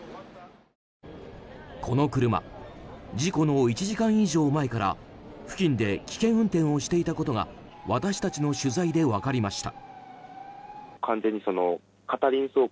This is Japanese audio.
この車、事故の１時間以上前から付近で危険運転をしていたことが私たちの取材で分かりました。